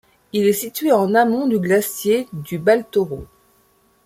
Il est situé en amont du glacier du Baltoro.